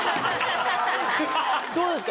どうですか？